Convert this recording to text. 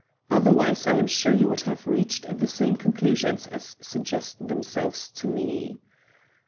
Otherwise I am sure you would have reached the same conclusions as suggest themselves to me.